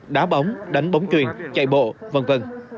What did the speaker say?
đá bóng đánh bóng chuyền chạy bộ v v